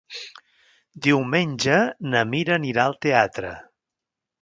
Diumenge na Mira anirà al teatre.